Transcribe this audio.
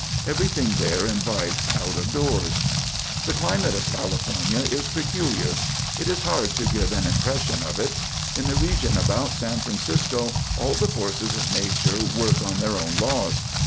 Everything there invites out of doors. The climate of California is peculiar; it is hard to give an impression of it. In the region about San Francisco, all the forces of nature work on their own laws.